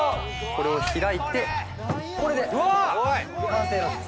これを開いてこれで完成なんです